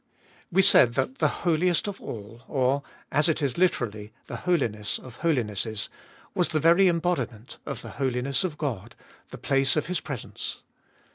WE said that the Holiest of All, or, as it is literally, the Holiness of Holinesses, was the very embodiment of the holiness of God, the place of His presence.